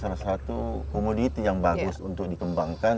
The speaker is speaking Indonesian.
ini adalah satu komunitas yang bagus untuk dikembangkan